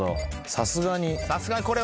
さすがにこれはね。